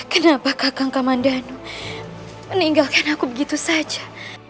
kenapa kakak kamandano meninggalkan aku begitu saja